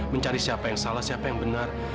mencari siapa yang salah siapa yang benar